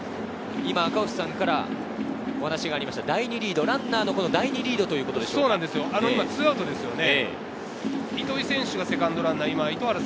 赤星さんからお話がありました、第２リード、ランナーの第２リードということですね。